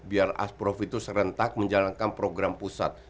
biar asprof itu serentak menjalankan program pusat